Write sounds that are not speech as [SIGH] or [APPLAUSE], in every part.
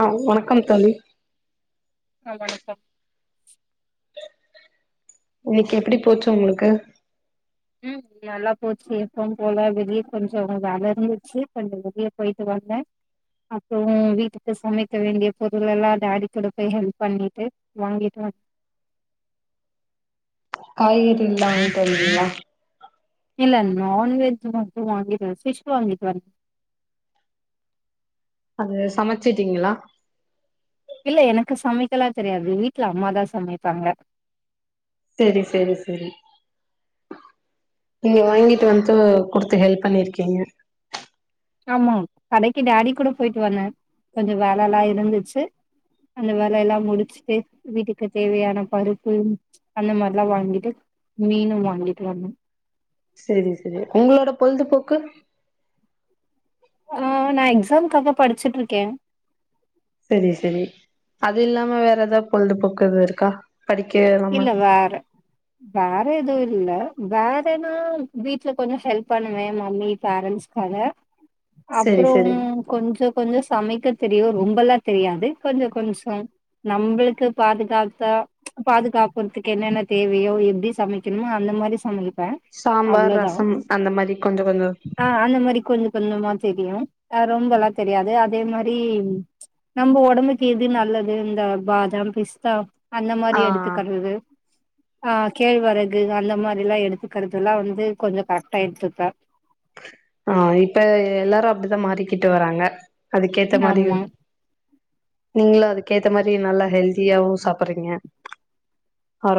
ஆஹ் வணக்கம் தோழி ஆஹ் வணக்கம் இன்னைக்கு எப்டி போச்சு உங்களுக்கு உம் நல்லா போச்சு எப்பவும் போல வெளியே கொஞ்சம் வேல இருந்துச்சு கொஞ்சம் வெளியே போயிட்டு வந்தேன் அப்புறம் வீட்டுக்கு சமைக்க வேண்டிய பொருள் எல்லாம் டாடி கூட போய் ஹெல்ப் பண்ணிட்டு வாங்கிட்டு வந் காய்கறி எல்லாம் வாங்கிட்டு வந்தியா இல்ல நான் வெஜ் வும் வாங்கிட்டு ஃபிஷ்வாங்கிட்டு வ அது சமைச்சிட்டீங்களா இல்ல எனக்கு சமைக்கலாம் தெரியாது வீட்டுல அம்மாதான் சமைப்பாங்க செரி செரி செரி நீங்க வாங்கிட்டு வந்து குடுத்து ஹெல்ப் பண்ணிருக்கீங்க ஆமா கடைக்கு டாடி கூட போயிட்டு வந்தேன் கொஞ்சம் வேலை எல்லாம் இருந்துச்சு அந்த வேலை எல்லாம் முடிச்சுட்டு வீட்டுக்கு தேவையான பருப்பு அந்த மாதிரியெல்லாம் வாங்கிட்டு மீனும் வாங்கிட்டு வந்தேன் சரி சரி உங்களோட பொழுதுபோக்கு ஆஹ் நான் எக்ஸாம்காக படிச்சுட்டு இருக்கேன் சரி சரி அது இல்லாம வேற ஏதாவது பொழுதுபோக்கு எது இருக்கா படிக்க இல்லாம இல்ல வேற வேற எதுவும் இல்லை வேறனா வீட்டுல கொஞ்சம் ஹெல்ப் பண்ணுவேன் மம்மி பேரன்ட்ஸ்காக செரி அப்புறம் செரி கொஞ்சம் கொஞ்சம் சமைக்க தெரியும் ரொம்பெல்லாம் தெரியாது கொஞ்சம் கொஞ்சம் நம்மளுக்கு பாதுகாத்தா பாதுகாப்புறதுக்கு என்னென்ன தேவையோ எப்படி சமைக்கணுமோ அந்த மாதிரி சமை சாம்பார் ரசம் அந்த மாதிரி கொஞ்சம் கொஞ்சம் தெரியஹ ரொம்ப எல்லாம் தெரியாது அதே மாரி நம்ம ஒடம்புக்கு எது நல்லது இந்த பாதாம் பிஸ்தா அந்த ஆ மாரி எடுத் த்துகறது ஆஹ் கேழ்வரகு அந்த மாதிரி எல்லாம் எடுத்துக்கிறது எல்லாம் வந்து கொஞ்சம் கரெக்ட்டா எடுத்துப்பேன் ஆஹ் இப்ப எல்லாரும் அப்படித்தான் மாறிக்கிட்டு வராங்க அதுக்கேத்த ஆமா மாதியும் நீங்களும் அதுக்கேத்த மாதிரி நல்லா ஹெல்தியாவும் சாப்பறீங்க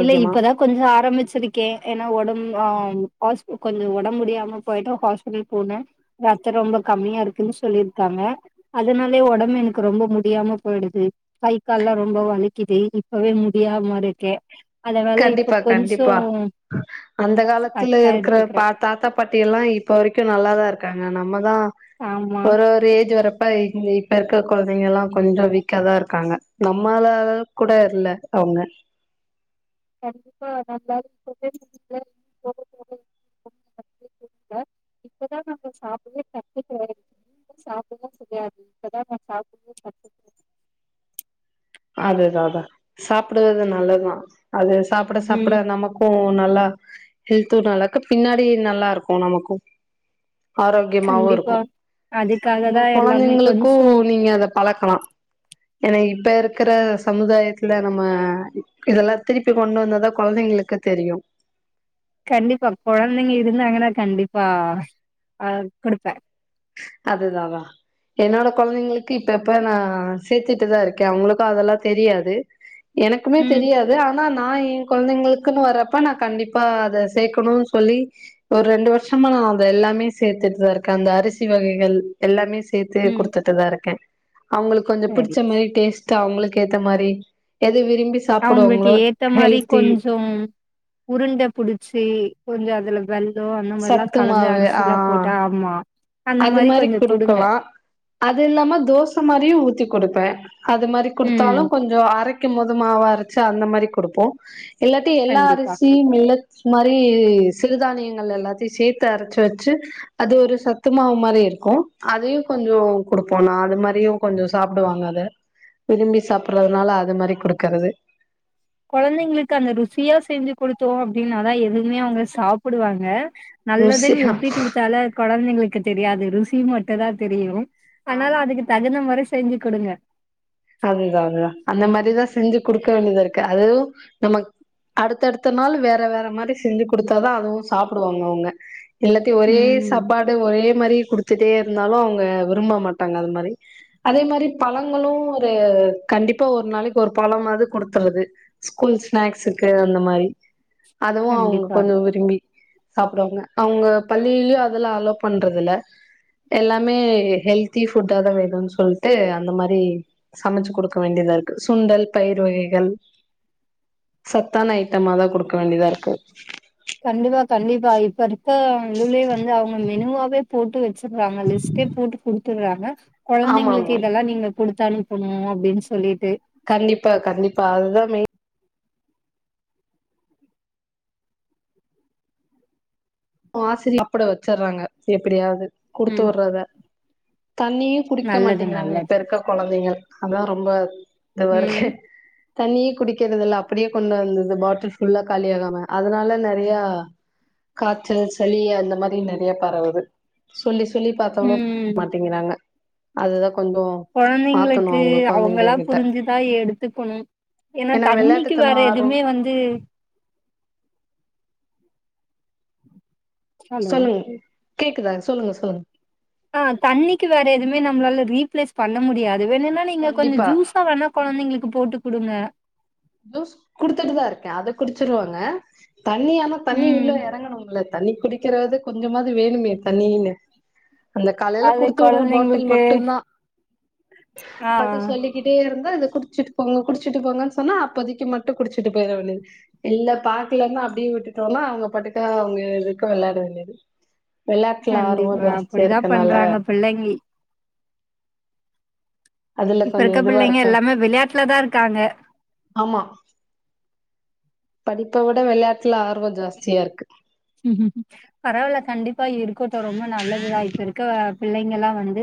இல்ல இப்பதா கொஞ்சொ ஆரம்பிச்சிருக்கே ஏன்னா ஒடம் ஆஹ் ஹாஸ் கொஞ்சொ ஒடம்பு முடியாம போயட்டு ஹாஸ்பிடலு போனே ரத்த ரொம்ப கம்மியா இருக்குன்னு சொல்லிருக்காங்க அதனாலயே ஒடம்பு எனக்கு ரொம்ப முடியாம போயிடுது கை கால்லா ரொம்ப வலிக்குது இப்பவே முடியாம இருக்கே அதனால இப்ப கண்டிப்பா கொஞ்சோ கண்டிப்பா அந்த காலத்துல கரெக்டா இருக்குற பா எடுத்துக்கிறே தாத்தா பாட்டி எல்லா இப்ப வரைக்கு நல்லாதா இருக்காங்க நம்மதா ஆமா ஒரு ஒரு ஏஜ் வரப்பா இருந்தி இப்ப இருக்குற குழந்தைங்க எல்லா கொஞ்சொ வீக்காதா இருக்காங்க நம்மள கூட இல்ல அவங்க கண்டிப்பா நல்லாருக்கொ [INAUDIBLE] இப்பதா நம்ம சாப்பிடவே கத்து கெ [INAUDIBLE] சாப்பிடவே செய்ய இப்பதா நா சாப்பிட கத்து க அதுதா அதா சாப்பிடுவது நல்லதா அது சாப்பிட சாப்பிட ம் நமக்கு நல்லா ஹெல்த்து நல்லாகு பின்னாடி நல்லா இருக்கு நமக்கு ஆரோக்கியமாவு கண்டிப்பா இருக்கு அதுக்காக உங்க தான் எல்லாமே கொழந்தைங்களுக்கு கொஞ்சம் நீங்க அத பழக்கலா என இ பே ரு ருக்குற சமுதாயத்துல நம்ம இதெல்லா திருப்பி கொண்டு வந்ததா கொழந்தைங்களுக்கு தெரியு கண்டிப்பா கொழந்தைங்க இருந்தாங்கன்னா கண்டிப்பா ஆஹ் குடுப்பே அதுதா தா என்னோட கொழந்தைங்களுக்கு இப்ப எப்ப நா சேர்த்துட்டுதா இருக்கே அவங்களுக்கு அதெல்லா தெரியாது எனக்குமே ம் தெரியாது ஆனா நா எ கொழந்தைங்களுக்குன்னு வரப்ப நா கண்டிப்பா அத சேக்கணுன்னு சொல்லி ஒரு ரெண்டு வருஷமா நா அத எல்லாமே சேத்துட்டுதா இருக்கே அந்த அரிச் சி வகைகள் எல்லாமே ச் சேத்து ம் குடுத்துட்டுதா இருக்கே அவங்களுக்கு கொஞ்ச சரி புடிச்ச மாரி டேஸ்ட் சோ அவங்களுக்கு ஏத்த மாரி இல்ல விரும்பி அவங்களுக்கு சாப்புடுவாங்களோ ஏத்த மாரி ஹெல்தி கொஞ்சம் உருண்ட புடிச்சு கொஞ்சொ அதுல வல் லோ அந்த மாரிலா சத்து கலந்து மாவு அரிசி ஆ எல்லா போட்டா ஆமா அந்த அது மாரி கொஞ்சம் குடுங்க கொடுக்கலா அது இல்லாம தோச மாரியு ஊத்தி கொடுப்பே அது மாரி ம் கொடுத்தாலு கொஞ்சொ ஆ அரைக்கும் போது மாவா அரச்சா அந்த மாரி கொடுப்போ எல்லாத்தையு எல்லா கண்டிப்பா அரிசியு மில்லட்ஸ் மாரி சிறுதானியங்கள் எல்லாத்தையு சேத்து அரச்சு வச்சு அது ஒரு சத் துமாவு மாரி இருக்கு அதையு கொஞ்சொ கொடுப்போ எனா அது மாரியு கொஞ்சோ சாப்புடுவாங்க அத விரும்பி சாப்பிடுறதுனால அது மாரி குடுக்கறது கொழந்தைங்களுக்கு அந்த ருசியா செஞ்சு கொடுத்தோ அப்டின்னாதா எதுவுமே அவங்க சாப்பிடுவாங்க நல்லதுன்னு ருசியா எப்டி குடுத்தா அல்லா கொழந்தைங்களுக்கு தெரியாது ருசி மட் டுதா தெரியு ஆனாலு ஆமா அதுக்கு தகுந்த மறி செஞ்சு கொடுங்க அதுதா அதுதா அந்த மாரிதா செஞ்சு கொடுக்க வேண்டியதா இருக்கு அதுவு நம்ம அடுத்தடுத்த நாள் வேற வேற மாரி செஞ்சு குடுத்தாதா அதுவு சாப்பிடுவாங்க அவங்க எல்லாத்தையு ஒரே ம் சாப்பாடு ஒரே மாரி குடுத்துட்டே இருந்தாலு அவங்க விரும்ப மாட்டாங்க அது மாரி அதே மாரி பழங்களு இது கண்டிப்பா ஒரு நாளைக்கி ஒரு பழமாவது குடுத்துர்றது ஸ்கூல் ஸ்நாக்ஸுக்கு அந்த மாரி அதுவு அவுங்க கண்டிப்பா கொஞ்சோ விரும்பி சாப்டுவாங்க அவுங்க பள்ளியிலயு அதெல்லா அலோ பண்றது இல்ல எல்லாமே ஹெல்தி ஃபுட்டாதா வேணுன்னு சொல்ட்டு அந்த மாரி சமைச்சி குடுக்க வேண்டியதா இருக்கு சுண்டல் பயர் வகைகள் சத்தான ஐட்டமாதா குடுக்க வேண்டியதா இருக்கு கண்டிப்பா கண்டிப்பா இப்ப இருக்க இதுலயே வந்து அவுங்க மெனுவாவே போட்டு வச்சிர்றாங்க லிஸ்டே போட்டு குடுத்துர்றாங்க ஆமா கொழந்தைங்களுக்கு ஆமா இதெல்லா நீங்க குடுத்தனுப் பனு அப்டின் சொல்லிட் கண்டிப்பா கண்டிப்பா அதுதா ம் ஆசிரியர் சாப்பட வெச்சர்றாங்க எப்டியாது ம் குடுத்துட்றத தண்ணியு குடிக்க நல்லது மாட்டேங்கிறாங்க இப்ப நல்லது இருக்க கொழந்தைங்க அதா ரொம்ப இதுவா ம் இருக்கு தண்ணியே குடிக்கறது இல்ல அப்டியே கொண்டு வந்துது பாட்டில் ஃபுல்லா காலி ஆகாம அதனால நெறையா கா ச்சல் சளி அந்த மாரி நெறைய பரவுது சொல்லி சொ ல்லி பாத்தாளு ம் [INAUDIBLE] மாடேங்கிறாங்க அதுதா கொஞ்சோ மாத்தணு கொழந்தைங்களுக்கு அவங்க கொழந்தைங்க அவங்களா கிட்ட புரிஞ்ச்சி தா எடு த்துகணும் ஏனா ஏன்னா தண்ணிக்கு வெளையாட்டுத்தனோ வேற ஆர்வோ எதுமே வந்து ஹலோ சொல்லுங்க கேக்குதா சொல்லுங்க சொல்லுங் ஆ தண்ணிக்கு வேற எதுமே நம்மளால ரீப்ளேஸ் பண்ண முடியாது இது வேணுனா நீங்க கொஞ்ச கண்டிப்பா ஜூஸா வேணா கொழந்தைங்களுக்கு போட்டு குடுங்க ஜூஸ் குடுத்துட்டுதா இருக்க அத குடிச்சிருவாங்க தண்ணி அனா தண்ணி ம் உள்ள எறங்கணுல்ல தண்ணி குடிக்கறதுக் கொஞ்சமாது வேணுமே தண்ணீன்னு அந்த காலையில அது குடுத்து விடுற பாட்டில் கொழந்தைங்களுக்கு மட்டுந்தா ஆ பாத்த சொல்லிக்கிட்டே இருந்தா அது குடிச்சிட்டு போங்க குடிச்சட்டு போங்க சொன்னா அப்போதைக்கு மட்டு குடிச்சிட்டு போயிட வேண்டியது இல்ல பாக்கலன்னா அப்படியே விட்டுட்டோன்னா அவங்க பாட்டுக்கு அவங்க இதுக்கு வெளையாட வேண்டிது கண்டிப்பா அப்படிதா பண்றாங்க பிள்ளைங்க அதுல இப்ப கொஞ்சோ இருக்க இதுவா பிள்ளைங்க இருக்கு எல்லாமே விளையாட்டுலதா இருக்காங்க ஆமா படிப்ப விட விளையாட்டுல ஆ பரவால்ல கண்டிப்பா இருக்கட்டு ரொம்ப நல்லதுதா இப்ப இருக்க பிள்ளைங்களா வந்து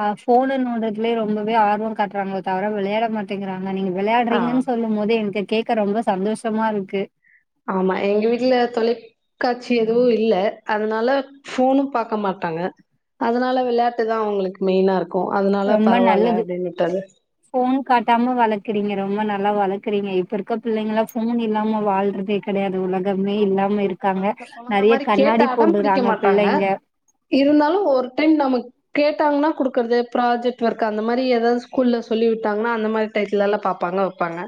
ஆ ஃபோன நோன்றதுலயே ரொம்பவே ஆர்வ காட்டுறாங்களே தவர வெளையாட மாட்டேங்கிறாங்க ஆனா நீங்க ஆ விளையாடுறீங்கனு சொல்லும் போதே எனக் கேக்க ரொம்ப சந்தோஷமா இருக்கு ஆமா எங்க வீட்டுல தொலைக்காட்சி எதுவு இல்ல அதனால ஃபோன்னு பாக்க மாட்டாங்க அதனால விளையாட்டுதா அவங்களுக்கு மெயினா இருக்கு அதனால ரொம்ப பரவால்ல நல்லது அப்டின்னு விட்டது ஃபோன் காட்டாம வளக்குறீங்க ரொம்ப நல் வளக்குறீங்க இப்ப இருக்க பிள்ளைங்களா ஃபோன் இல்லாம வாழ்றதே கெடையாது உலக ஆமா மத்த கொழந்த மாரி கேட்டு கண்ணாடி அடம்பிடிக்க போட்டுறாங்க மாட்டாங்க பிள்ளைங்க இருந்தாலு ஒரு டைம் நமக் கேட்டாங்கன்னா கொடுக்குறது ப்ராஜெக்ட் ஒர்க் அந்த மாரி எதாவது ஸ்கூல்ல சொல்லிவுட்டாங்கன்னா அந்த மாரி டையத்தலா பாப்பாங்க வைப்பாங்க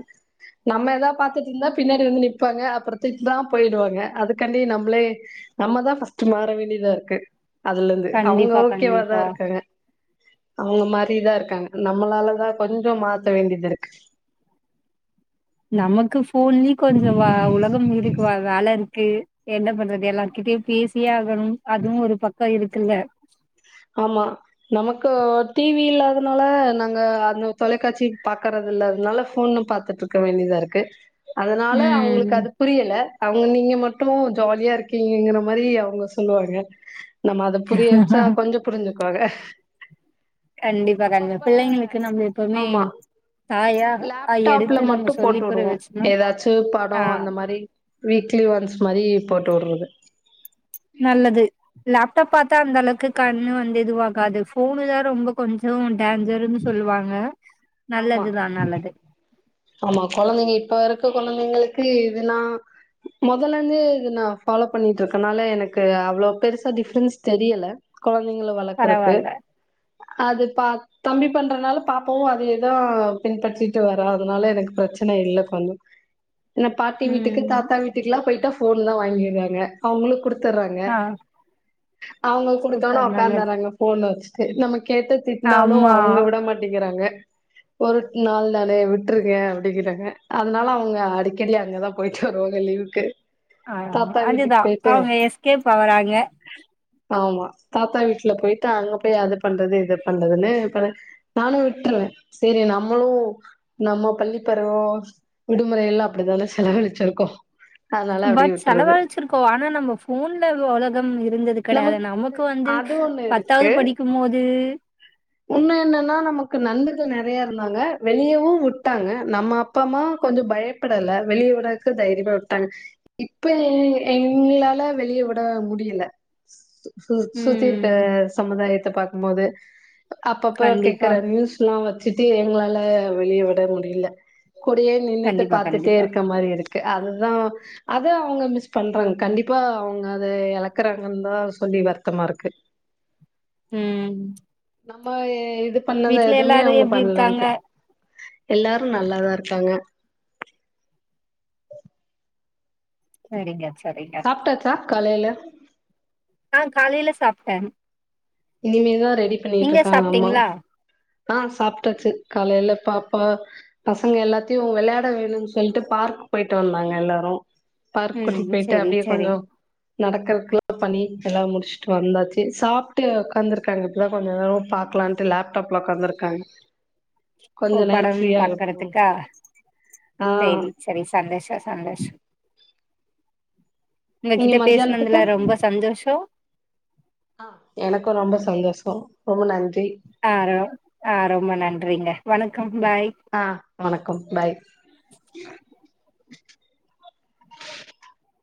நம்ம எதா பாத்துட்டு இருந்தா பின்னாடி வந்து நிப்பாங்க அப்புறத்திட் ட்டா போயிடுவாங்க அதுக்காண்டி நம்மளே நம்ம தா ஃபஸ்ட்டு மாற வேண்டியதா இருக்கு அதுலந்து அவங்க கண்டிப்பா ஓகேவாதா கண்டிப்பா இருக்காங்க அவங்க மாரிதா இருக்காங்க நம்மளாலதா கொஞ்சோ மாத்த வேண்டியதிருக்கு நமக்கு ஃபோன்லய கொஞ்சோ வ உலகம் இருக்கு வ வேல இருக்கு என்ன பண்றது எல்லார்க்கிட்டயு பேசியாக கணு அதுவு ஒரு பக்க இருக்கு இல்ல ஆமா நமக்கு டிவி இல்லாதனால நாங்க அந்த தொலைக்காட்சி பாக்கறது இல்ல அதனால ஃபோன்னு பாத்துட்டுருக்க வேண்டியதாருக்கு அதனால அவங்களுக்கு ம் அது புரியல அவங்க நீங்க மட்டு ஜாலியா இருக்கீங்கங்கிற மாரி அவங்க சொல்லுவாங்க நம்ம அத புரிய வச்சா புரிஞ்சுக்வாங்க கண்டிப்பா கண்டி பிள்ளைங்களுக்கு நம்ம எப்பவுமே ஆமா த லேப்டாப்ல மட்டு போட்டு உடுவோம் வச்சோம்னா எதாச்சு பட ஆ அந்த மாரி வீக்லி ஒன்ஸ் மாரி போட்டு உட்றது நல்லது லேப்டாப் பாத்தா அந்தளவுக்கு கண்ணு வந்து இதுவாகாது ஃபோனு தா ரொம்ப கொஞ்சோ சருன்னு சொல்லுவாங்க ஆமா நல்லதுதா நல்லது ஆமா கொழந்தைங்க இப்ப இருக்க கொழந்தைங்களுக்கு க்கு இதெல்லா மொதல்லருந்து இத நா ஃபாலோ பண்ணிட்டு இருக்கனால எனக்கு அவ்வளவு பெருசா டிஃரென்ஸ் தெரியல கொழந்தைங்கல வளக்குறக்கு பரவால்ல அது பா தம்பி பண்றனால பாப்பாவு அதே தா பின்பற்றிட்டு வரேன் அதனால எனக்கு பெரச்சன இல்ல கொஞ்சோ என்ன பாட்டி வீட்டுக்கு ம் தாத்தா வீட்டுக்குகெல்லா போயிட்டா ஃப் ஃபோன் தா வாங்கிடுறாங்க அவங்களுக்கு குடுத் குடுத்துறாங்க ஆ அவங்க குடுத்தன்னோ சூப்பர் நல்லது உக்காந்துறாங்க ஃபோன வச் செரி நமக்கு கேட்ட திட்னாலு ஆமா அவங்க விட மாட்டங்கிறாங்க ஒரு நாள் தானே விட்ருங்க அப்டிங்கிறாங்க அதனால அவுங்க அடிக்கடி அங்கதா போயிட்டு வருவாங்க லீவுக்கு ஆ தாத்தா வீட்டுக்கு அதுதா போயிட்டு அவுங்க எஸ்கேப் ஆகறாங்க ஆமா தாத்தா வீட்ல போயிட்டு அங்க போய் அத பண்றது இத பண்றதுன்னு இப்பல நானு விட்டர்ற செரி நம்மளு நம்ம பள்ளி பருவ விடுமுறை எல்லா அப்படிதான செலவழிச்சிருக்கோ அதனால பட் அப்டியே விட்றது செலவழிச்சிருக்கோ ஆனா நம்ம ஃபோன்ல உலகம் இருந்தது கெடயாது நமக்கு வந்து அது ஒண்ணு இருக்கு பத்தாவது படிக்கும்போது நண்பர் நெறையா இருந்தாங்க வெளியவு வுட்டாங்க நம்ம அப்பா அம்மா கொஞ்ச பயப்படல வெளிய விடறக்கு தைரியமா விட்டாங்க இப்ப எங் எங்ளால வெளிய விட முடியல சு சுத்தி இருக்க ம் சமுதாயத்த பாக் கும்போது அப்பப்ப கண்டிப்பா கேக்கற நியூஸ் வெச்சுட்டு எங்களால வெளிய விட முடில கூடயே நின்னுட்டு கண்டிப்பா பாத்துட்டே கண்டிப்பா இருக்க மாரி இருக்கு அதுதா அதா அவங்க மிஸ் பண்றாங்க கண்டிப்பா அவங்க அத எழக்குறாங்கன்தா சொல்லி வருத்தமா இருக்கு ம் நம்மயே இது பண்ணத வீட்ல எதுவுமே எல்லாரு அவங்க எப்டி இருக்காங்க பண்ணலன்ட்டு. எல்லாரு நல்லாதா இருக்காங்க சரிங்க சரிங்க சாப்ட்டாச்சா காலைல அ காலைல சாப்ட்ட இனிமேதா ரெடி பண்ணிட்ருக்காங்க அம்மா ஆ சாப்ட்டாச்சு காலைல பாப்பா பசங்க எல்லாத்தையு வெள்யாட வேணுன் சொல்ட்டு பார்க் போயிட்டு வந்தாங்க எல்லாரு பார்க் ம் கூட்டிட்டு போயிட்டு செரி அப்டியே செரி கொஞ்சோ நடக்கறக்குல்லா பண்ணி எல்லா முடிச்ட்டு வந்தாச்சு சாப் ட்டு ஒக்காந்துருக்காங்க இப்டி தா கொஞ்ச நேர பாக்லான்ட்டு லேப்டாப்ல ஒக்காந்துருக்காங்க ஓ படம் பாக்குறதுக்கா ஆ சேரி சரி சந்தோஷ சந்தோஷ நீங்க உங்ககிட்ட மத்தியானத்துக்கு பேசுனதுல ரொம்ப சந்தோஷோ ஆ எனக்கு ரொம்ப சந்தோஷ ரொம்ப நன் ஆ ர ஆ ரொம்ப நன்றிங்க வணக்கம் பாய் ஆ வணக்கம் பாய்